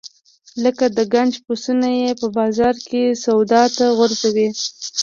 لکه د ګنج پسونه یې په بازار کې سودا ته غورځوي.